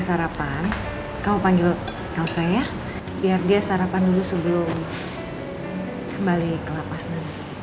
aku mau bingung kira kakak tuh gimana